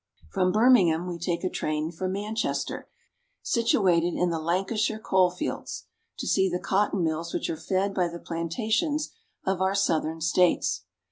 From Birmingham we take a train for Manchester, situ ated in the Lancashire coal fields, to see the cotton mills which are fed by the plantations of our southern States.